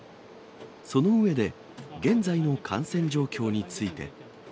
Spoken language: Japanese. その上で、現在の感染状況について。